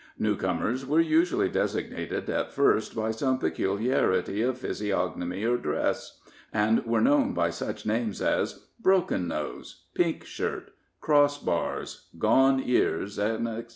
Newcomers were usually designated at first by some peculiarity of physiognomy or dress, and were known by such names as "Broken Nose," "Pink Shirt," "Cross Bars," "Gone Ears," etc.